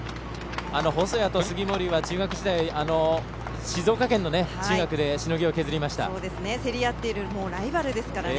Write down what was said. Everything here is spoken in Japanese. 細谷と杉森は中学時代静岡県の中学で競り合っているライバルですから。